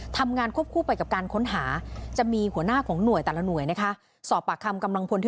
ทำงานค่วบคู่ไปกับการค้นหาจะมีหัวหน้าของหน่วยนะคะ